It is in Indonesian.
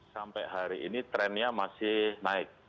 sampai hari ini trennya masih naik